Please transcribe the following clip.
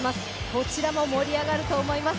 こちらも盛り上がると思います。